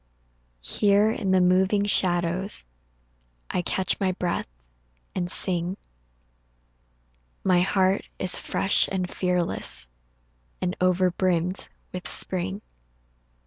Here in the moving shadows I catch my breath and sing My heart is fresh and fearless And over brimmed with spring.